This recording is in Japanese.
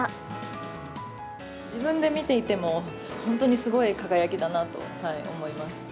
自分で見ていても、本当にすごい輝きだなと思います。